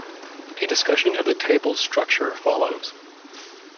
A discussion of the table's structure follows.